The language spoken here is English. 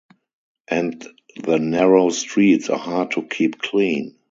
And the narrow streets are hard to keep clean.